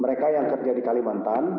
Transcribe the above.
mereka yang kerja di kalimantan